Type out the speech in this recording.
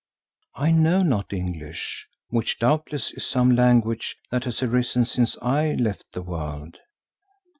"I know not English, which doubtless is some language that has arisen since I left the world.